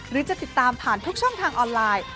หรือจะติดตามผ่านทุกช่องทางออนไลน์